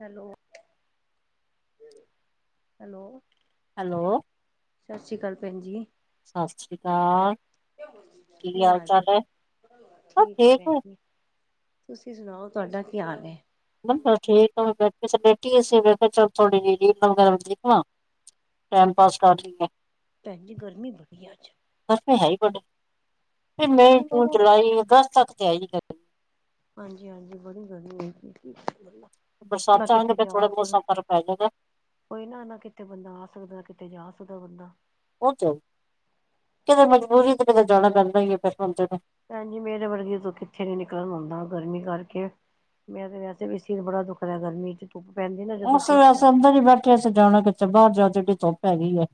Hello hello hello ਸਤਿ ਸ਼੍ਰੀ ਅਕਾਲ ਭੈਣ ਜੀ ਸਤਿ ਸ਼੍ਰੀ ਅਕਾਲ। ਕੀ ਹਾਲ ਚਾਲ ਹੈ ਸਭ ਠੀਕ ਹੈ। ਤੁਸੀਂ ਸੁਣਾਓ ਤੁਹਾਡਾ ਕੀ ਹਾਲ ਏ। ਬਸ ਠੀਕ ਆ ਬੈਠੀ ਸ ਬੈਠੀ ਹੀ ਸੀ। ਚਲੋ ਥੋਡੀੇ ਜਿਹੀ ਰੀਟ ਵਗੈਰਾ [unintelligible] ਟੈਮ ਪਾਸ ਕਰ ਲਈ ਹੈ ਭੈਣ ਜੀ ਗਰਮੀ ਬੜੀ ਹੈ ਅੱਜ ਹੈ ਹੀ ਵੱਡੇ ਫੇਰ ਮਈ ਭੈਣਜੀ ਮੈਂ ਜੂਨ ਨਾ ਜੁਲਾਈ ਅਗਸਤ ਤੱਕ ਤੇ ਆਏਗੀ [unintelligible] ਹਾਂਜੀ -ਹਾਂਜੀ ਬੜੀ ਗਰਮੀ ਹੋਈ ਦੀ ਏ ਕੀ ਕਰੀਏ। ਬਰਸਾਤਾਂ ਆਉਣ ਫਿਰ ਥੋੜਾ ਮੌਸਮ 'ਚ ਫ਼ਰਕ ਪੈ ਜੇਗਾ। ਕੋਈ ਨਾ -ਨਾ ਕਿੱਥੇ ਬੰਦਾ ਆ ਸਕਦਾ ਕਿੱਥੇ ਜਾ ਸਕਦਾ ਬੰਦਾ ਉਹ 'ਚ ਕਿਤੇ ਮਜਬੂਰੀ ਤੇ ਕਿਤੇ ਜਾਣਾ ਪੈਂਦਾ ਹੀ ਹੈ। ਭੈਣਜੀ ਮੇਰੇ ਵਰਗੀ ਤੋਂ ਕਿੱਥੇ ਨੀ ਨਿਕਲਣ ਆਉਂਦਾ ਗਰਮੀ ਕਰਕੇ ਮੈਂ ਤੇ ਵੈਸੇ ਵੀ ਤੇ ਬੜਾ ਦੁੱਖ ਰਿਹਾ ਗਰਮੀ 'ਚ ਧੁੱਪ ਪੈਂਦੀ ਨਾ ਜਦੋਂ ਉਸੇ ਸਿਰ ਤੇ। ਅਸੇ ਅੰਦਰ ਹੀ ਬੈਠੇ ਅਸੀ ਜਾਣਾ ਕਿੱਥੇ ਬਾਹਰ ਜਾਓ ਜਹੀ ਧੁੱਪ ਹੈਗੀ ਏ।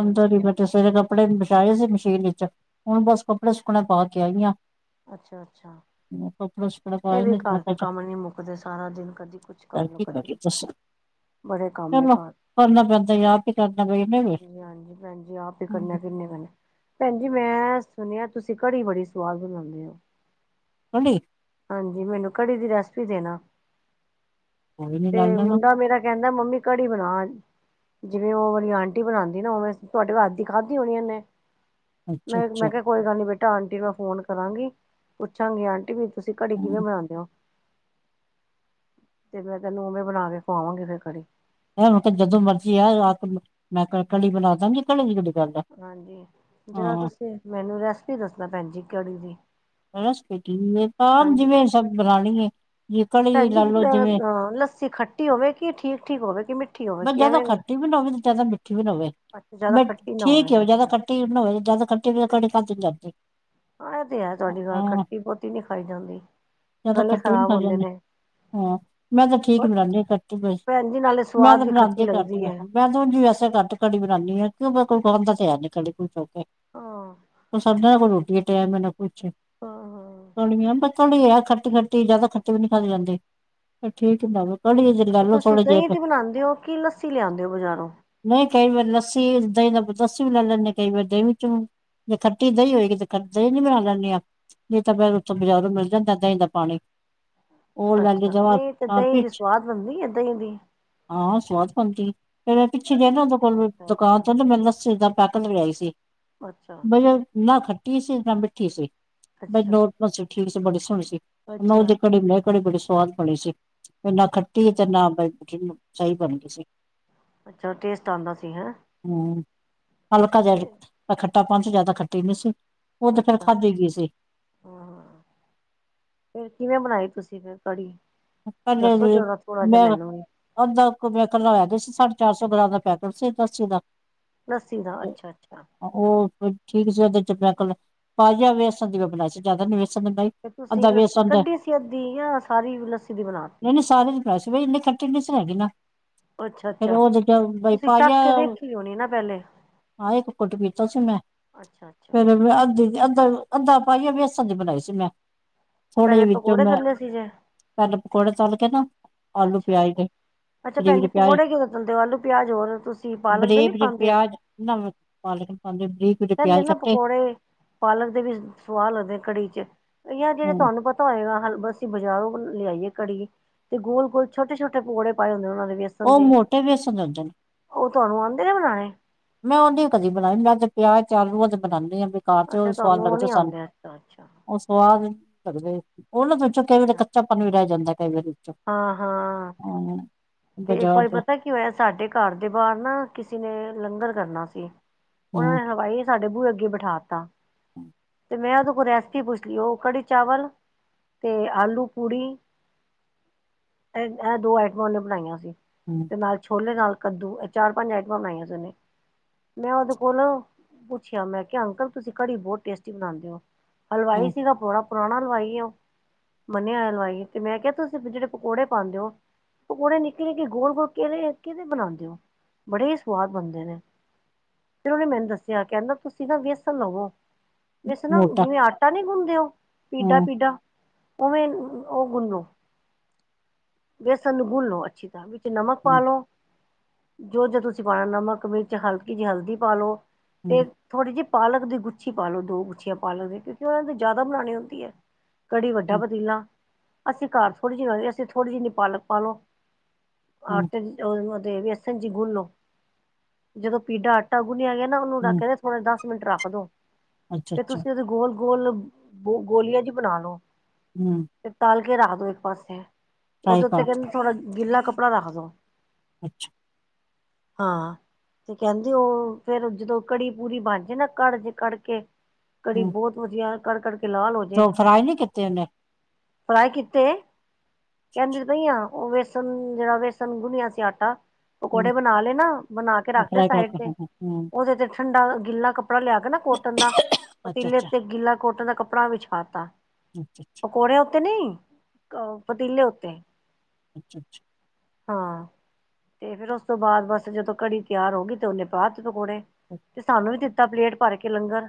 ਅੰਦਰ ਹੀ ਭੈਣ ਬੱਚ ਸਵੇਰੇ ਕੱਪੜੇ ਮਛਾਏ ਸੀ। ਤੇਲ 'ਚ ਹੁਣ ਬਸ ਕੱਪੜੇ ਸੁੱਕਣੇ ਪਾ ਕੇ ਆਈ ਆ। ਅੱਛਾ- ਅੱਛਾ ਕੱਪੜੇ ਸੁੱਕਣੇ ਇਹ ਪਾਏ ਵੀ ਨੇ ਮੈਂ ਘਰ ਤੇ ਕਿਹਾ ਕੰਮ ਨੀ ਮੁੱਕਦੇ ਸਾਰਾ ਦਿਨ ਕਰ ਜੀ ਕੁਛ ਕਰ ਕਰਲੋ ਕਦੇ [unintelligible] ਚਲੋ ਕਰਨਾ ਪੈਂਦਾ ਯਾਰ ਕਿ ਕਰਨਾ ਪਈ ਵੀ ਹ ਹਾਂਜੀ ਹਾਂਜੀ ਭੈਣ ਜੀ ਆਪ ਹੀ ਕਰਨਾ ਕਿੰਨੇ ਭੈਣ ਜੀ ਮੈਂ ਸੁਣਿਆ ਤੁਸੀਂ ਕੜੀ ਬੜੀ ਸਵਾਦ ਬਣਾਉਂਦੇ ਹੋ। [unintelligible] ਹਾਂਜੀ ਮੈਨੂੰ ਕੜੀ ਦੀ ਰੈਸਪੀ ਦੇਣਾ ਕੋਈ ਨੀ ਤੇ ਲੈ ਲੈਣਾ ਮੁੰਡਾ ਮੇਰਾ ਕਹਿੰਦਾ ਦਾ ਮੰਮੀ ਕੜੀ ਬਣਾ ਅੱਜ ਜਿਵੇਂ ਉਹ ਵਾਲੀ ਆਂਟੀ ਬਣਾਉਂਦੀ ਉਵੇਂ ਤੁਹਾਡੇ ਹੱਥ ਦੀ ਖਾਧੀ ਹੋਣੀ ਉਹਨੇ ਅੱਛਾ ਮੈਂ ਅੱਛਾ -ਮੈਂ ਕਿਹਾ ਕੋਈ ਗੱਲ ਨੀ ਬੇਟਾ ਆਂਟੀ ਮੈਂ ਫੋਨ ਕਰਾਂਗੀ ਪੁੱਛਾਂਗੀ ਆਂਟੀ ਤੁਸੀਂ ਕੜੀ ਕਿਵੇਂ ਹੂੰ ਬਣਾਉਂਦੇ ਹੋ? ਤੇ ਮੈਂ ਤੈਨੂੰ ਉਵੇਂ ਬਣਾ ਕੇ ਖਵਾਵਾਂਗੀ ਫੇਰ ਕੜੀ ਇਹ ਹੁਣ ਤੇ ਜਦੋਂ ਮਰਜ਼ੀ ਆ ਆ ਕੇ ਮੈਂ ਕੜੀ ਬਣਾ ਦਾਂਗੀ ਕੜੀ ਦੀ ਗੱਲ ਆ ਹਾਂਜੀ ਜਿਹੜਾ ਹਾਂ ਤੁਸੀਂ ਮੈਨੂੰ ਰੈਸਪੀ ਦੱਸਣਾ ਪੈਣ ਜ ਕੜੀ ਦੀ ਬਸ ਹੈ ਤਾਂ ਜਿਵੇਂ ਸਭ ਬਣਾਣੀ ਏ। ਜੇ ਕੜੀ ਭੈਣਜੀ ਲੈ ਲਓ ਜਿਵੇਂ ਲੱਸੀ ਖੱਟੀ ਹੋਵੇ ਕਿ ਠੀਕ ਠੀਕ ਹੋਵੇ ਕਿ ਮਿੱਠੀ ਹੋਵੇ ਬਸ ਜ਼ਿਆਦਾ ਕਿਵੇਂ ਖੱਟੀ ਵੀ ਨਾ ਹੋਵੇ ਤੇ ਜਿਆਦਾ ਮਿੱਠੀ ਵੀ ਨ ਨਾ ਹੋਵੇ ਅੱਛਾ ਜ਼ਿਆਦਾ ਮ ਖੱਟੀ ਨਾ ਹੋਵੇ ਠੀਕ ਹੈ ਹੋ ਜਿਆਦਾ ਅੱਛਾ ਖੱਟੀ ਵੀ ਨਾ ਹੋਵੇ ਜਿਆਦਾ ਖੱਟੀ ਹੋਵੇ ਕੜੀ [unintelligible] ਹ ਇਹ ਤੇ ਹੈ ਤੁਹਾਡੀ ਗੱਲ ਖੱਟੀ ਬੌਤੀ ਨੀ ਖਾਈ ਜਾਂਦੀ। ਜ ਤਾਂ ਗਲੇ ਖੱਟੀ ਵੀ ਨੀ ਖ਼ਰਾਬ ਖਾਈ ਹੁੰਦੇ ਜਾਂਦੇ। ਨੇ ਹਾਂ ਮੈਂ ਤੇ ਠੀਕ ਪਰ ਬਣਾਉਦੀ ਖੱਟੀ ਬਸ ਭੈਣ ਜੀ ਨਾਲੇ ਮੈਂ ਸਵਾਦ ਤੇ ਵੀ ਖੱਟੀ ਬਣਾਉਦੀ ਘੱਟ ਲੱਗਦੀ ਹੀ ਹੈ ਹਾਂ ਮੈਂ ਤੇ ਵੈਸੇ ਘੱਟ ਘੜੀ ਬਣਾਨਣੀ ਆ ਕਿਉਂਕ ਕੋਈ ਬਣਦਾ ਤੇ ਹੈ ਨੀ ਕੜੀ ਖੁਸ਼ ਹੋ ਕੇ ਹਾਂ ਸਮਝ ਨਾ ਕੋਈ ਰੋਟੀ ਦਾ ਟਾਈਮ ਹੈ ਨਾ ਕੁਛ ਥੜੀ ਹੈ ਖਰਤੀ ਖੱਟੀ ਜਿਆਦਾ ਖਰਚੇ ਵੀ ਨੀ ਖਾ ਜਾਂਦੇ ਠੀਕ ਹੁੰਦਾ ਵ ਅੱਛਾ ਤੁਸੀ ਦਹੀ ਤੇ ਬਣਾਉਦੇ ਹੋ ਕਿ ਲੱਸੀ ਲਿਆਦੇ ਹੋ ਬਜ਼ਾਰੋਂ ਨਹੀਂ ਕਈ ਵਾਰ ਲੱਸੀ, ਦਹੀਂ ਦਾ ਲੱਸੀ ਵੀ ਲੈ ਲੈਂਦੇੇ, ਕਈ ਵਾਰ ਦਹੀਂ ਚ ਜੇ ਖੱਟੀ ਦਹੀਂ ਹੋਏਗੀ, ਤੇ ਖ ਦਹੀਂ ਨੀ ਬਣਾ ਲੈਂਦੇ ਹਾਂ। ਨਹੀਂ ਤਾਂ ਫਿਰ, ਉੱਥੋਂ ਬਾਜ਼ਾਰੋਂ ਮਿਲ ਜਾਂਦਾ ਦਹੀਂ ਦਾ ਪਾਣੀ। ਹੋਰ ਲੈਗੇ, ਅੱਛਾ ਜਵਾ ਨਹੀਂ ਤੇ ਹਾਂ ਦਹੀਂ ਦੀ ਪਿੱਠ ਸਵਾਦ ਬਣਦੀ ਹੈ ਦਹੀਂ ਦੀ ਹਾਂ ਸਵਾਦ ਬਣਦੀ ਆ। ਫੇਰ ਪਿੱਛੇ, ਜੇ ਨਾ ਉਹਦੇ ਕੋਲ ਅੱਛਾ ਦੁਕਾਨ ਅੱਛਾ ਤੋਂ ਨਾ ਮੈ ਲੱਸੀ ਦਾ ਪੈਕਟ ਲਿਆਈ ਸੀ ਅੱਛਾ । ਨਾ ਖੱਟੀ ਸੀ, ਨਾ ਮਿੱਠੀ ਸੀ, ਬਸ ਅੱਛਾ ਨਾਰਮਲ ਸੀ, ਠੀਕ ਸੀ ਬੜੀ ਸੋਹਣੀ ਸੀ। ਮੈਂ ਓਸ ਦਿਨ ਅੱਛਾ ਕੜੀ ਬਣਾਈ, ਕੜੀ ਬੜੀ ਸਵਾਦ ਬਣੀ ਸੀ, ਨਾ ਖੱਟੀ ਤੇ ਨਾ ਸਹੀ ਬਣ ਗਈ ਸੀ। ਅੱਛਾ, ਟੇਸਟ ਆਉਂਦਾ ਸੀ ਹੈਂ। ਹਲਕਾ ਜਿਹਾ ਖੱਟਾਪਨ ਸੀ, ਜਿਆਦਾ ਖੱਟੀ ਨਹੀਂ ਸੀ, ਉਹ ਤੇ ਫੇਰ ਅੱਛਾ ਖਾਧੀ ਗਈ ਸੀ। ਹਾਂ, ਫਿਰ ਕਿਵੇਂ ਬਣਾਈ ਤੁਸੀਂ ਫਿਰ ਕੜੀ? [unintelligible] ਦੱਸੋ ਸਾਢੇ ਜਰਾ ਥੋੜਾ ਜਿਹਾ ਮੈਨੂੰ ਵੀ ਚਾਰ ਸੌ ਗ੍ਰਾਮ, ਦਾ ਪੈਕੇਟ ਸੀ ਲੱਸੀ ਦਾ ਲੱਸੀ ਦਾ, ਤੇ ਅੱਛਾ- ਅੱਛਾ ਉਹ ਠੀਕ ਸੀ, ਉਹਦੇ ਚ ਮੈਂ ਕਲ ਪਾਈਆ, ਵੇਸਣ ਦੀ ਬਣਾਈ ਸੀ ਜ਼ਿਆਦਾ ਨੀ ਵੇਸਣ ਦੀ ਬਣਾਈ ਤੇ ਤੁਸੀਂ ਅੱਧਾ ਲੱਸੀ ਵੇਸਣ ਦਾ ਕੱਢੀ ਸੀ, ਅੱਧੀ ਯਾ ਸਾਰੀ। ਲੱਸੀ ਦੀ ਬਣਾਤੀ ਨਹੀਂ- ਨਹੀ, ਸਾਰੀ ਨਹੀਂ ਬਣਾਈ ਸੀ, ਇਨੀਂ ਖੱਟੀ ਨਹੀਂ ਸੀ ਹੈਗੀ ਨਾ। ਅੱਛਾ ਫੇਰ, ਅੱਛਾ ਓਹਦੇ ਚੋ ਬਈ ਤੁਸੀਂ ਪਾਈਆ ਚੱਖ ਕੇ ਵੇਖੀ ਹੋਣੀ ਨਾ ਪਹਿਲੇ ਹਾਂ ਇੱਕ ਘੁੱਟ ਟ ਪੀਤਾ ਸੀ ਮੈਂ, ਅੱਛਾ ਅੱਛਾ ਫੇਰ ਅੱਧੀ ਅੱਧ ਦਾ ਅੱਧਾ ਪਾਈਆ, ਵੇਸਣ ਦੀ ਬਨਾਈ ਸੀ ਮੈਂ। ਥੋੜੇ ਪਹਿਲੇ, ਜਿਹੇ ਵਿੱਚੋਂ ਪਕੌੜੇ ਮੈਂ ਤੱਲੇ ਸੀ ਜੇ? ਪਹਿਲਾਂ ਪਕੌੜੇ, ਤਲ ਕੇ ਨਾ ਆਲੂ ਅੱਛਾ ਪਿਆਜ ਅੱਛਾ ਦੇ। ਅੱਛਾ ਬਰੀਕ ਭੈਣ ਜੀ -ਬਰੀਕ ਪਿਆਜ ਪਕੌੜੇ ਕਿਵੇਂ ਤਲਦੇ ਹੋ ਆਲੂ ਪਿਆਜ ਹੋਰ ਤੁਸੀਂ ਪਾਲਕ ਦੇ ਨੀ ਬਰੀਬ -ਬਰੀਕ ਪਾਉਂਦੇ ਹੋ ਪਿਆਜ ਨਮਕ ਪਾਲ ਲੇਕਿਨ, ਪਾਉਂਦੇ ਬਰੀਕ ਜੇ ਕਹਿੰਦੇ ਪਿਆਜ ਨਾ ਕੱਟੇ। ਪਕੌੜੇ ਪਾਲਕ ਦੇ ਵੀ ਸੁਆਦ, ਲਗਦੇ ਕੜੀ ਚ। ਯਾਰ, ਜਿਹੜੇ ਹੂੰ ਤੁਹਾਨੂੰ ਪਤਾ ਹੋਏਗਾ, ਅਸੀਂ ਬਾਜ਼ਾਰੋਂ ਲਿਆਈਏ ਕੜੀ। ਤੇ ਗੋਲ -ਗੋਲ, ਛੋਟ -ਛੋਟੇ, ਪਕੌੜੇ ਪਾਏ ਹੁੰਦੇ ਓਹਨਾ ਨੇ। ਵੇਸਨ ਉਹ ਦੇ, ਮੋਟੇ ਵੇਸਣ ਦੇ ਹੁੰਦੇ ਨੇ ਓਹ ਤੁਹਾਨੂੰ ਆਉਂਦੇ ਐ ਬਨਾਉਨੇ? ਮੈਂ, ਓਹਦੀ ਕਦੀ ਨੀ ਬਣਾਈ, ਮੈਂ ਤੇ ਪਿਆਜ, ਆਲ਼ੂਆ ਦੀ ਬਨਾਉਂਦੀ ਆ। ਬੇਕਾਰ ਚ ਓਹ ਅੱਛਾ ਹੀ ਸਵਾਦ ਤੁਹਾਨੂੰ ਉਹ ਲੱਗਦਾ ਨੀ ਸਾਨੂੰ, ਆਉਂਦੇ ਅੱਛਾ ਅੱਛਾ ਓਹ ਸਵਾਦ ਕਰਦੇ ਓਹਨਾਂ ਦੇ ਵਿੱਚੋਂ ਕਈ ਵਾਰੀ ਅੱਛਾ ਕੱਚਾ ਪਾਣੀ ਵੀ ਰਹਿ ਜਾਂਦਾ, ਕਈ ਵਾਰੀ। ਵਿੱਚੋਂ ਹਾਂ- ਹਾਂ, ਹਾਂ ਤੇ ਇੱਕ ਬਾਜ਼ਾਰ ਵਾਰੀ ਦਾ ਪਤਾ ਕੀ ਹੋਇਆ, ਸਾਡੇ ਘਰ ਦੇ ਬਾਹਰ ਨਾ ਕਿਸ ਨੇ ਲੰਗਰ ਕਰਨਾ ਸੀ, ਓਹਨਾਂ ਨੇ ਹਲਵਾਈ ਸਾਡੇ ਬੂਹੇ ਅੱਗੇ ਬਿਠਾ ਤਾ। ਹਮ। ਤੇ ਮੈਂ ਓਹਦੇ ਕੋਲ ਰੈਸਪੀ ਪੁੱਛ ਲਈ, ਓਹ ਕੜੀ ਚਾਵਲ ਤੇ ਆਲੂ ਪੂੜੀ। ਇਹ -ਇਹ, ਦੋ ਆਈਟਮਾਂ ਓਹਨੇ ਬਣਾਈਆਂ ਸੀ, ਹੂੰ ਤੇ ਨਾਲ ਛੋਲੇ ਨਾਲ ਕੱਦੂ, ਇਹ ਚਾਰ -ਪੰਜ ਐਟਮਾਂ ਬਣਾਈਆਂ ਸੀ ਓਹਨੇ। ਮੈਂ ਓਹਦੇ ਕੋਲੋ ਪੁੱਛਿਆ, ਮੈਂ ਕਿਹਾ ਅੰਕਲ ਤੁਸੀਂ ਕੜੀ ਬਹੁਤ ਟੇਸਟੀ ਬਨਾਉਂਦੇ ਹੋ। ਹਲਵਾਈ ਹੂੰ ਸੀ ਗਾ, ਬੜਾ ਪੁਰਾਣਾ ਹਲਵਾਈ ਏ, ਓਹ ਮੰਨਿਆ ਹੋਇਆ ਹਲਵਾਈ ਤੇ ਮੈਂ ਕਿਹਾ ਤੁਸੀਂ ਜਿਹੜੇ ਪਕੌੜੇ, ਪਾਉਂਦੇ ਓ। ਪਕੌੜੇ, ਨਿੱਕੇ -ਨਿੱਕੇ, ਗੋਲ -ਗੋਲ ਕਿਹੜੇ, ਕਿਹਦੇ ਬਨਾਉਂਦੇ ਔ ਬੜੇ ਸਵਾਦ ਬਨਦੇ ਨੇ। ਫੇਰ, ਓਹਨੇ ਮੈਨੂੰ ਦੱਸਿਆ, ਕਹਿੰਦਾ ਤੁਸੀਂ ਨਾ ਵੇਸਣ ਲਵੋ। ਵੇਸਨ ਨਾ, ਮੋਟਾ ਜਿਵੇਂ ਆਟਾ ਨੀ ਗੁੰਨਦੇ ਓ ਪੀਡਾ- ਹੂੰ, ਪੀਡਾ। ਓਵੇਂ, ਓਹ ਗੁੰਨ ਲੋ ਵੇਸਣ ਨੂੰ ਗੁੰਨ ਲਉ ਅੱਛੀ ਵਿੱਚ ਨਮਕ ਪਾ ਹੂੰ, ਲਉ ਜੋ- ਜੋ ਤੁਸੀਂ ਪਾਉਣਾ, ਨਮਕ, ਮਿਰਚ, ਹਲਕੀ ਜਿਹੀ ਹਲਦੀ ਪਾ ਲਓ । ਤੇ ਹੂੰ, ਥੋੜੀ ਜੀ ਪਾਲਕ ਦੀ ਗੁੱਛੀ ਪਾ ਲਉ, ਦੋ ਗੁੱਛੀਆਂ ਪਾਲਕ ਦੀ, ਕਿਉੰਕੀ ਓਹਨਾਂ ਨੇ ਤੇ ਜ਼ਿਆਦਾ ਬਣਾਉਣੀ ਹੁੰਦੀ ਐ। ਕੜੀ ਵੱਡਾ ਹੂੰ, ਪਤੀਲਾ, ਅਸੀਂ ਘਰ ਥੋੜੀ ਜੀ ਅਸੀਂ ਥੋੜੀ ਜਿੰਨੀ ਪਾਲਕ ਪਾ ਲਉ। ਹੂੰ, ਆਟੇ ਦੇ, ਵੇਸਨ ਚੀ ਗੁੰਨ ਲਉ ਜਦੋਂ ਪੀਡਾ ਆਟਾ ਗੁੰਨਿਆ ਗਿਆ ਨਾ, ਓਹਨੂੰ ਹੂੰ, ਰੱਖ ਦੇ ਥੌੜਾ ਦਸ ਮਿੰਟ, ਰੱਖ ਦੋ ਫਿਰ ਅੱਛਾ-ਅੱਛਾ, ਤੁਸੀਂ ਉਹਦੇ ਗੋਲ ਗੋਲ, ਗੋ ਗੋਲੀਆਂ ਜੀ ਬਣਾ ਲਓ । ਹੁ। ਕੇ ਰੱਖ ਦੋ ਇੱਕ ਪਾਸੇ ਓਹਦੇ ਉੱਤੇ ਕਰਤਾ, ਕਹਿੰਦੇ ਥੋੜਾ ਗਿੱਲਾ ਕੱਪੜਾ ਰੱਖ ਦੋ। ਅੱਛ। ਹਾਂ। ਤੇ ਕਹਿੰਦੇ ਓਹ ਫੇਰ ਜਦੋਂ ਕੜੀ ਪੂਰੀ ਬਨ ਜੇ ਨਾ ਕੜ ਜੇ ਕੜ ਕੇ। ਕੜੀ ਹੂੰ, ਬੋਤ ਵਧੀਆ ਕੜਕੜ ਤੇ ਫਰਾਈ ਨੀ ਕੀਤੇ ਓਹਨੇ। ਫਰਾਈ ਕੀਤੇ ਕਹਿੰਦੀ ਤੇ ਪਈ ਆ ਓਹ ਵੇਸਨ ਜਿਹੜਾ ਵੇਸਨ ਗੁਨਿਆ ਸੀ ਆਟਾ। ਹੂੰ, ਪਕੌੜੇ ਬਨਾ ਲੈ ਨਾ ਬਨਾ ਕੇ ਰੱਖ ਤੇ ਫਰਾਈ ਸਾਈਡ ਕਰਕੇ ਤੇ ਹੂੰ, ਓਹਦੇ ਤੇ ਠੰਡਾ ਗਿੱਲਾ ਕੱਪ ਕੱਪੜਾ ਲਿਆ ਕੇ ਨਾ ਕੋਟਨ ਦਾ ਪਤੀਲੇ ਅੱਛਾ-ਅੱਛਾ, ਤੇ ਗਿੱਲਾ ਕੋਟਨ ਦਾ ਕੱਪੜਾ ਵਿਛਾ ਤਾ। ਅੱਛਾ ਅੱਛਾ। [inaudible] ਤੇ ਨਹੀਂ ਅ ਪਤੀਲੇ ਉੱਤੇ। ਅੱਛਾ ਅੱਛ ਹਾਂ ਤੇ ਫੇਰ ਉਸ ਤੋਂ ਬਾਅਦ ਬਸ ਜਦੋਂ ਕੜੀ ਤਿਆਰ ਹੋ ਗਈ ਤੇ ਓਹਨੇ ਪਾ ਪਕੌੜੇ ਤੇ ਸਾਨੂੰ ਵੀ ਦਿੱਤਾ ਪਲੇਟ ਭਰ ਕੇ ਲੰਗਰ।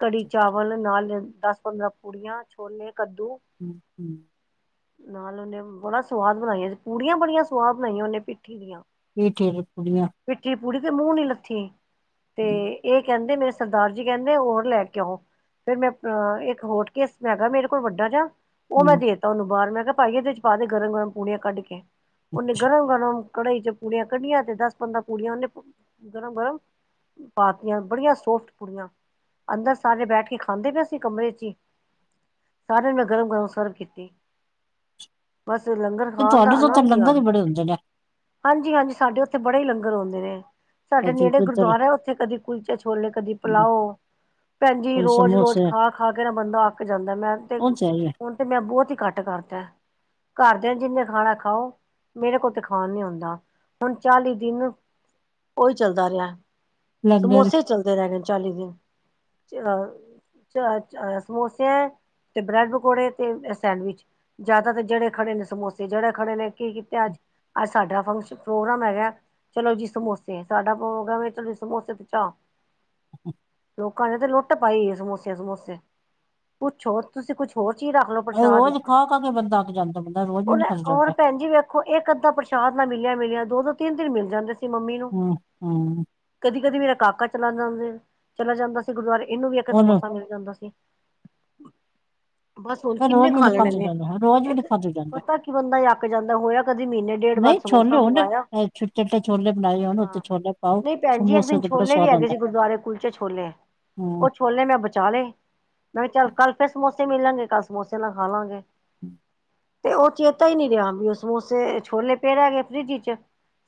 ਕੜੀ ਚਾਵਲ ਨਾਲ ਦਸ ਪੰਦਰਾਂ ਪੂੜੀਆਂ ਛੋਲੇ। ਕੱਦੂ [inaudible] [inaudible] ਨਾਲ ਉਹਨੇ ਬੜਾ ਸਵਾਦ ਬਣਾਇਆਂ ਸੀ। ਪੂੜੀਆਂ ਬੜੀਆਂ ਸਵਾਦ ਬਨਾਈਆਂ ਉਹਨੇ, ਪਿੱਠੀ ਦੀਆਂ। [unintelligible] [inaudible] ਪੁੜੀ ਤੇ ਮੂੰਹੋਂ ਨੀ ਲੱਥੀ ਤੇ ਹੂੰ, ਇਹ ਕਹਿੰਦੇ ਨੇ- ਸਰਦਾਰ ਜੀ ਕਹਿੰਦੇ, ਹੋਰ ਲੈ ਕੇ ਆੳ। ਫੇਿਰ ਮੈਂ ਇੱਕ ਹੋਟਕੇਸ ਹੈਗਾ, ਮੇਰੇ ਕੋਲ ਵੱਡਾ ਜਾ- ਉਹ ਮੈਂ ਹੂੰ, ਦੇ ਦਿੱਤਾ ਉਹਨੂੰ। ਬਾਹਰ ਮੈਂ ਕਿਹਾ, ਭਾਈ, ਇਹਦੇ ਚ ਪਾ ਦੇ। ਗਰਮ ਗਰਮ ਪੂੜੀਆਂ ਕੱਢ ਕੇ ਉਹਨੇ ਗਰਮ ਗਰਮ- ਕੜਾਈ ਚੋ ਪੂੜੀਆਂ ਕੱਢੀਆਂ। ਤੇ ਦਸ ਪੰਦਰਾਂ ਪੂੜੀਆਂ ਉਹਨੇ ਗਰਮ ਗਰਮ- ਪਾਤਿਆਂ, ਬੜੀਆਂ ਸੋਫਟ ਪੁੜੀਆਂ- ਅੰਦਰ ਸਾਰੇ ਬੈਠ ਕੇ ਖਾਂਦੇ ਪਏ ਸੀ। ਕਮਰੇ ਚ ਹੀ ਸਾਰਿਆਂ ਨੂੰ ਮੈਂ ਗਰਮ ਗਰਮ ਸਰਵ ਕੀਤੀ। ਬਸ ਲੰਗਰ ਤੇ ਖਾਣ ਦਾ ਤੁਹਾਡੇ ਤੋਂ ਤਾਂ ਆਨੰਦ ਹੀ ਆ ਲੰਗਰ ਗਿਆ ਬੜੇ ਹੁੰਦੇ ਨੇ, ਹਾਂਜੀ ਹਾਂਜੀ ਸਾਡੇ ਉੱਥੇ ਬੜੇ ਹੀ ਲੰਗਰ ਹੋਂਦੇ ਨੇ। ਸਾਡੇ ਕਦੀ ਨੇੜੇ ਕਿੱਧਰ ਗੁਰਦੁਆਰਾ ਹੈ। ਉੱਥੇ ਕਦੀ ਕੁਲਚੇ ਛੋਲੇ, ਕਦੀ ਹੂੰ, ਪਲਾਓ- ਭੈਣ ਜੀ ਕਦੀ ਰੋਜ਼ ਰੋਜ਼ ਸਮੋਸੇ ਖਾ ਖਾ ਕੇ ਨਾ ਬੰਦਾ ਅੱਕ ਜਾਂਦਾ ਹੈ। ਮੈਂ ਨ ਤੇ ਉਹ ਹੈ ਈ ਐ, ਹੁਣ ਤੇ ਮੈਂ ਬਹੁਤ ਈ ਘੱਟ- ਕਰਤਾ ਘਰਦਿਆਂ ਜਿੰਨੇ ਖਾਣਾ ਖਾਓ, ਮੇਰੇ ਕੋਲ ਤੇ ਖਾਣ ਨੀ ਹੋਂਦਾ। ਹੁਣ ਚਾਲੀ ਦਿਨ ਉਹੀ ਚੱਲਦਾ ਰਿਹਾ। ਲੰਗਰ ਸਮੋਸੇ ਚੱਲਦੇ ਰਹਿੰਦੇ ਚਾਲੀ ਦਿਨ। ਚ ਚ ਸਮੋਸੇ ਤੇ ਬ੍ਰੈਡ ਪਕੌੜੇ ਤੇ ਸੈਂਡਵਿਚ। ਜ਼ਿਆਦਾਤਰ ਜਨੇ ਖੜ੍ਹੇ [inaudible] ਨੇ ਸਮੋਸੇ, ਜਨੇ ਖਨੇ ਨੇ ਕੀ ਕੀਤੇ? ਅੱਜ ਅੱਜ ਸਾਡਾ ਫੰਕਸ਼ਨ ਪ੍ਰੋਗਰਾਮ ਹੈਗਾ। ਚਲੋ ਜੀ, ਸਮੋਸੇ। ਸਾਡਾ ਪ੍ਰੋਗਰਾਮ ਏ। ਚਲੋ ਜੀ, ਸਮੋਸੇ ਤੇ ਚਾ। ਲੋਕਾਂ ਨੇ ਤੇ ਲੁੱਟ ਪਾਈ ਏ। ਸਮੋਸੇ ਸਮੋਸੇ ਪੁੱਛੋ, ਤੁਸੀਂ ਕੁੱਛ ਹੋਰ- ਤੁਸੀਂ ਰੱਖ ਲਓ ਉਹ ਪ੍ਰਸ਼ਾਦ ਰੋਜ਼ ਵਿੱਚ- ਖਾ-ਖਾ ਕੇ ਬੰਦਾ ਅੱਕ ਜਾਂਦਾ, ਬੰਦਾ ਰੋਜ਼ ਵੀ ਨੀ ਖਾਧਾ ਹੋਰ ਜਾਂਦਾ, ਭੈਣ ਜੀ ਵੇਖੋ ਇਕ ਅੱਧਾ ਪ੍ਰਸ਼ਾਦ ਨਾ- ਮਿਲਿਆ ਮਿਲਿਆ, ਦੋ ਦੋ ਤਿੰਨ ਤਿੰਨ ਮਿਲ ਜਾਂਦੇ ਸੀ ਮੰਮੀ ਨੂੰ। ਹੂੰ, ਹੂੰ, ਕਦੀ ਕਦੀ ਮੇਰਾ- ਕਾਕਾ ਚਲਾ ਜਾਂਦੇ ਚਲਾ ਜਾਂਦਾ ਸੀ ਗੁਰਦੁਆਰੇ। ਇਹਨੂੰ ਵੀ ਇੱਕ ਉਹਨੂੰ ਸਮੋਸਾ ਮਿਲ ਜਾਂਦਾ ਸੀ। ਬਸ ਹੁਣ ਫਿਰ ਕਿੰਨੇ ਰੋਜ਼ ਵੀ ਖਾ ਨੀ ਲੈਣੇ ਖਾਧਾ ਨੇੇ? ਜਾਂਦਾ, ਰੋਜ਼ ਵੀ ਇੱਕ ਨੀ ਖਾਧਾ ਜਾਂਦਾ। ਪਤਾ ਕੀ, ਬੰਦਾ ਅੱਕ ਜਾਂਦਾ ਹੋਇਆ। ਕਦੀ ਮਹੀਨੇ ਡੇਢ ਬਾਅਦ ਨਹੀਂ ਛੋਲੇ ਸਮੋਸਾ ਹੋਣ ਮੰਗਾਇਆ। ਇਹ ਛੋ- ਚਿੱਟੇ ਛੋਲੇ ਬਣਾਏ ਹੋਣ ਉੱਤੇ ਹਾਂ ਛੋਲੇ ਪਾਓ ਨਹੀਂ, ਭੈਨ ਜੀ। ਇੱਕ ਦਿਨ ਸਮੋਸੇ ਤੇ ਬੜਾ ਛੋਲੇ ਵੀ ਸਵਾਦ ਹੈਗੇ ਆਉਂਦਾ ਜੇ। ਗੁਰਦੁਆਰੇ ਕੁਲਚੇ ਛੋਲੇ- ਹੂੰ ੳਹ ਛੋਲੇ ਮੈਂ ਬਚਾ ਲਏ। ਮੈਂ ਕਿਹਾ, ਚੱਲ ਕੱਲ ਫੇਰ ਸਮੋਸੇ ਮਿਲਨਗੇ। ਕੱਲ ਸਮੋਸੇ ਨਾਲ ਖਾ ਲਾਂਗੇ। ਹਮ। [inaudible] ਤੇ ਉਹ ਚੇਤਾ ਹੀ ਨੀ ਰਿਹਾ ਵੀ ਉਹ ਸਮੋਸੇ ਛੋਲੇ ਪਏ ਰਹਿ ਗਏ ਫਰਿੱਜ ਇਚ।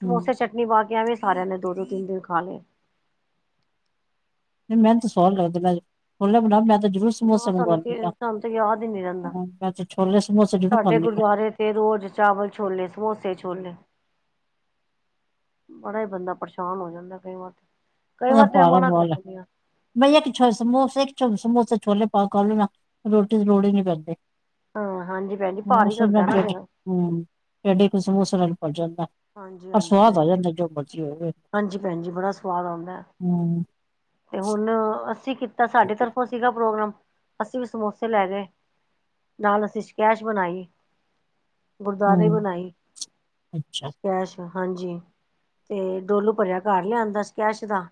ਸਮੋਸੇ ਹੂੰ ਚਟਨੀ ਪਾ ਕੇ ਏਵੇਂ ਸਾਰਿਆਂ ਨੇ ਦੋ ਦੋ ਤਿੰਨ ਤਿੰਨ ਖਾ ਲਏ। [unintelligible] [inaudible] ਜ਼ਰੂਰ ਸਮੋਸੇ ਨਾ ਸਾਨੂੰ ਮੰਗਵਾਦੀ ਤੇ ਹਾਂ। ਸਾਨੂੰ ਤੇ ਯਾਦ ਹੀ ਨਹੀਂ ਰਹਿੰਦਾ ਛੋਲੇ ਸਮੋਸੇ ਜ਼ਰੂਰ ਸਾਡੇ ਖਉਦੀ ਹਾਂ। ਗੁਰਦੁਆਰੇ ਤੇ ਰੋਜ਼ ਚਾਵਲ, ਛੋਲੇ, ਸਮੋਸੇ, ਛੋਲੇ। ਬੜਾ ਹੀ ਬੰਦਾ ਪਰੇਸ਼ਾਨ ਹੋ ਜਾਂਦਾ ਕਈ ਵਾਰ। [unintelligible] ਕਈ ਛੋਲੇ ਵਾਰ ਤੇ ਪਾ ਮੈਂ ਮਨਾ ਕਰ ਦਿੰਦੀ ਹਾਂ ਕੇ ਖਾ ਲਓ ਨਾ। ਰੋਟੀ ਦੀ ਲੋੜ ਹੀ ਨੀ ਪੈਂਦੀ। ਹਾਂ ਹਾਂਜੀ ਭੈਣ ਜੀ ਭਾਰੀ ਕਰਦਾ ਨਾ ਫਿਰ [unintelligible] ਜਾਂਦਾ ਹੈ। ਹਾਂਜੀ ਪਰ ਹਾਂਜੀ ਸਵਾਦ ਭੈਣ ਆ ਜੀ ਜਾਂਦਾ ਹੈ। ਜੋ ਮਰਜ਼ੀ ਹੋਵੇ। ਹਾਂਜੀ, ਭੈਣ ਜੀ। ਬੜਾ ਸਵਾਦ ਆਉਂਦਾ। ਹੂੰ ਤੇ ਹੁਣ- ਤੁਸੀਂ ਕੀਤਾ। ਸਾਡੇ ਤਰਫੋਂ ਸੀਗਾ ਪ੍ਰੋਗਰਾਮ। ਅਸੀਂ ਵੀ ਸਮੋਸੇ ਲੈ ਗਏ। ਨਾਲ ਅਸੀਂ ਸਕੇਸ਼ ਬਣਾਈ। ਗੁਰਦੁਆਰੇ ਹੂੰ ਬਣਾਈ। ਅੱਛਾ ਸਕੇਸ਼, ਹਾਂਜੀ। ਤੇ- ਡੋਲੂ ਭਰਿਆ ਘਰ ਲਿਆਦਾ ਸਕੈਸ਼ ਦਾ।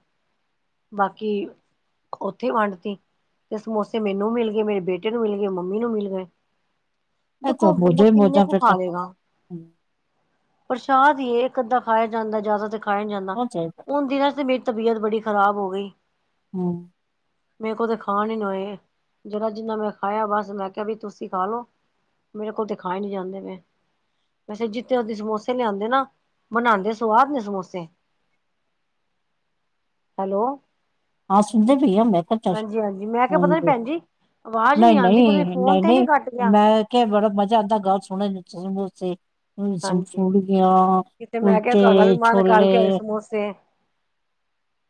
ਬਾਕੀ- ਉਥੇ ਵੰਡ ਤੀ। ਤੇ ਸਮੋਸੇ ਮੈਨੂੰ ਮਿਲ ਗਏ। ਮੇਰੇ ਬੇਟੇ ਨੂੰ ਮਿਲ ਗਏ। ਮੰਮੀ ਨੂੰ ਮਿਲ ਗਏ। ਇਹ ਦੇਖੋ, ਤਾਂ ਬੰਦਾ ਮੋਜੇ ਕਿੰਨੇ ਮੋਜਾ ਕੁ ਫਿਰ ਖਾ ਤਾਂ ਲੇਗਾ। ਹੂੰ, ਪ੍ਰਸ਼ਾਦ ਹੀ ਏ। ਇਕ ਅੱਧਾ ਖਾਇਆ ਜਾਂਦਾ ਏ। ਜ਼ਿਆਦਾ ਤਾਂ ਖਾਇਆ ਨੀ ਜਾਂਦਾ ਹੋ ਜਾਏਗਾ ਉਣ ਦਿਨਾਂ- ਤਬੀਅਤ ਬੜੀ ਖਰਾਬ ਹੋ ਗਈ। ਹਮ। ਮੇ ਕੋ ਤੇ ਖਾਣ ਈ ਨੀ ਹੋਏ। ਜਰਾ ਜਿੰਨਾ ਮੈਂ ਖਾਇਆ। ਬਸ, ਮੈਂ ਕਿਹਾ ਬੀ ਤੁਸੀਂ ਖਾ ਲੋੋ। ਮੇਰੇ ਕੋਲ ਤੇ ਖਾਏ ਨੀ ਜਾਂਦੇ ਨੇ। ਵੈਸੇ ਜਿੱਥੇ ਓਦੀ ਸਮੋਸੇ ਲਿਆਂਂਦੇ ਨਾ ਬਨਾੰਦੇ ਸਵਾਦ ਨੇ, ਸਮੋਸ ਸੇ, ਹੈਲੋ, ਹਾ ਸੁਣਦੀ ਪੀ ਆ [unintelligible] ਮੈ ਕੈ ਤਸ ਹਾਂਜੀ ਹਾਂਜੀ ਮੈਂ ਕਿਹਾ ਪਤਾ ਨੀ ਹਾਂਜੀ। ਭੈਣ ਜੀ ਆਵਾਜ਼ ਨਹੀਂ ਨੀ ਆਉਂਦੀ ਪਤਾ ਨੀ ਨਹੀਂ ਫੋਨ ਨਹੀਂ ਤੇ ਨੀ ਨਹੀਂ, ਕੱਟ ਗਿਆ ਮੈਂ ਕਿਹਾ ਬੜਾ ਮਜ਼ਾ ਆਂਦਾ ਗੱਲ ਸੁਨਣ ਚ, ਸੇ ਕੋਈ ਸਮ ਹਾਂਜੀ ਫੂੜ ਗੀਆਂ, ਕਿਤੇ ਮੈਂ ਕਿਹਾ ਕੁਲਚੇ ਤੁਹਾਡਾ ਵੀ ਮਨ ਕਰ ਗਿਆ -ਛੋਲੇ। ਸਮੋਸੇ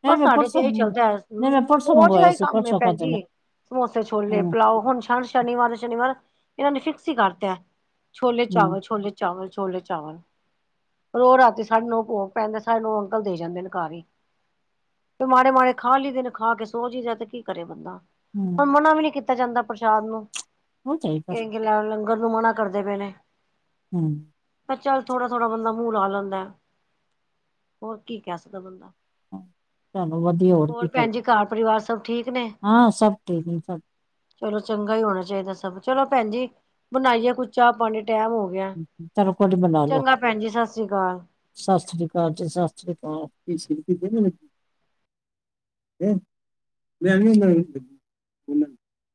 ਨਹੀਂ ਬਸ ਮੈਂ ਸਾਡੇ ਤੇ ਪਰਸੋਂ ਏਹੀ ਚੱਲਦਾ, ਨਹੀਂ ਮੈਂ ਪਰਸੋਂ ਰੋਜ਼ ਦਾ ਮੰਗਵਾਏ ਹੀ ਸੀ ਕੰਮ ਏ ਪਰਸੋਂ ਭੈਣ ਖਾਦੇ ਜੀ। ਨੇ ਸਮੋਸੇ-ਛੋਲੇ, ਹੂੰ ਪਲਾਓ ਹੁਣ ਹਰ ਸ਼ਨੀਵਾਰ ਦੇ ਸ਼ਨੀਵਾਰ ਇਨਾਂ ਨੇ ਫਿਕਸ ਹੀ ਕਰਤਾ ਹੂੰ ਛੋਲੇ-ਚਾਵਲ, ਛੋਲੇ-ਚਾਵਲ, ਛੋਲੇ-ਚਾਵਲ। ਰੋ ਰਾਤੀ ਸਾਡੇ ਨੋ ਭੋਗ ਪੈਂਦਾ। ਸਾਡੇ ਨੌ ਅੰਕਲ ਦੇ ਜਾਂਦੇ ਨੇ ਘਰ ਹੀ। ਤੇ ਮਾੜੇ- ਮਾੜੇ ਖਾ ਲੀ ਦਾ, ਖਾ ਕੇ ਸੋ ਜਾਈ ਦਾ। ਤੇ ਕੀ ਕਰੇ ਬੰਦਾ? ਹੁਣ ਹੂੰ ਮਨਾ ਵੀ ਨੀ ਕੀਤਾ ਜਾਂਦਾ ਪ੍ਰਸ਼ਾਦ ਨੂੰ। ਉਹ ਚਾਹੀਏ ਪਰ ਕਏਂਗੇ ਲੈ ਲੰਗ ਲੰਗਰ ਨੂੰ ਮਨਾ ਕਰਦੇ ਪਏ ਨੇ। ਹੂੰ। ਚੱਲ ਥੋੜਾ- ਥੋੜ੍ਹਾ ਬੰਦਾ ਮੂੰਹ ਲਾ ਲੈਂਦੈ। ਹੋਰ ਕੀ ਕੇ ਸਕਦੈ ਬੰਦਾ। ਚਲੋ ਵਧੀਆ [inaudible] ਹੋਰ ਕੀ ਭੈਣ ਜੀ, ਚਾਹੀਦਾ ਘਰ-ਪਰਿਵਾਰ ਸਭ ਠੀਕ ਨੇ। ਹਾਂ ਸਭ ਠੀਕ ਨੇ ਸਭ ਚਲੋ ਚੰਗਾ ਹੀ ਹੋਣਾ ਚਾਹੀਦਾ ਸਭ। ਚਲੋ ਭੈਣ ਜੀ, ਬਣਾਈਏ ਕੁੱਝ ਚਾਹ- ਪਾਣੀ। ਟੈਮ ਹੋ ਗਿਆ। ਕੋਡ ਬਨਾ ਲੋ। ਚੰਗਾ ਭੈਣ ਜੀ ਸਤਿ ਸ੍ਰੀ ਅਕਾਲ ਸਤ ਸ੍ਰੀ ਕਾਲ ਜੀ। ਸਤ ਸ੍ਰੀ ਕਾਲ। ਕੀ ਸ਼ਿਲਕੀ ਫੇਰ ਨੀ ਲਬੀ ਅ ਮੈਂ ਵੀ ਨਾ ਲਗੀ [unintelligible]